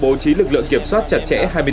bố trí lực lượng kiểm soát chặt chẽ